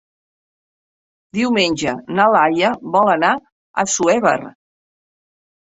Diumenge na Laia vol anar a Assuévar.